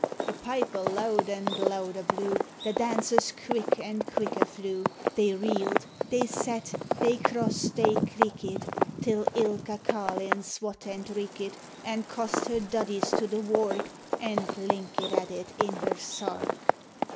75 The piper loud and louder blew ; The dancers quick and quicker flew ; They reeled, they set, they crossed, they cleekit, Till ilka carlin swat and reekit, And coost her duddies to the wark, And linket at it in her sark